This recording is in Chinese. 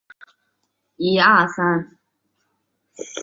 株式会社舞滨度假区线的营运管理。